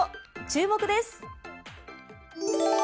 注目です。